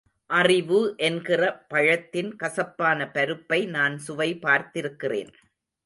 அறிவு என்கிற பழத்தின் கசப்பான பருப்பை நான் சுவை பார்த்திருக்கிறேன்.